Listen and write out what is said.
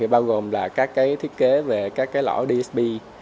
bao gồm các thiết kế về các lõi dsp